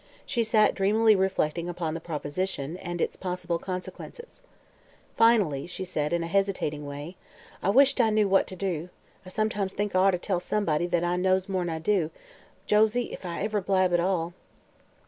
She sat dreamily reflecting upon the proposition and its possible consequences. Finally she said in a hesitating way: "I wisht I knew what ter do. I sometimes think I orter tell somebody that knows more'n I do, Josie, if I ever blab at all."